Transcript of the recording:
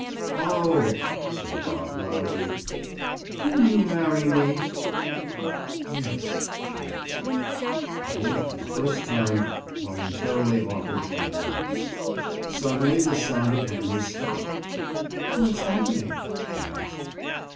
"Oh!" said Bob loudly. "Will you marry me?" "Yes," she answered. And for the first time voluntarily offered him her lips. Suddenly the sound of hammers stopped. "What's happening?" she asked.